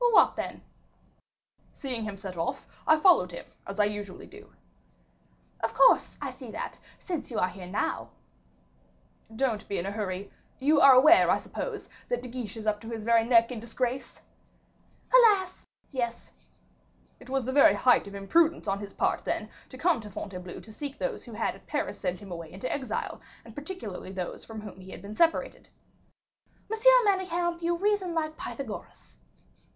"What then?" "Seeing him set off, I followed him, as I usually do." "Of course, I see that, since you are here now." "Don't be in a hurry. You are aware, I suppose, that De Guiche is up to his very neck in disgrace?" "Alas! yes." "It was the very height of imprudence on his part, then, to come to Fontainebleau to seek those who had at Paris sent him away into exile, and particularly those from whom he had been separated." "Monsieur Manicamp, you reason like Pythagoras."